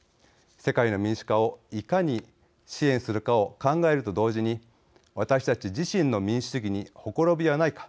世界の民主化をいかに支援するかを考えると同時に私たち自身の民主主義にほころびはないか。